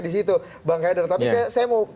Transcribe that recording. di situ bang haidar tapi saya mau